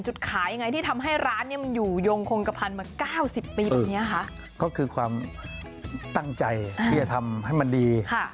จุดขายยังไงที่ทำให้ร้านเนี่ยมันอยู่ยงคงกระพันมาเก้าสิบปีแบบนี้คะก็คือความตั้งใจที่จะทำให้มันดีค่ะ